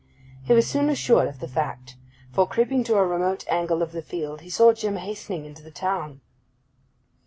He was soon assured of the fact, for, creeping to a remote angle of the field, he saw Jim hastening into the town.